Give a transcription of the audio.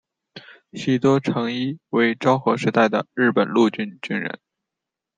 喜多诚一为昭和时代的日本陆军军人。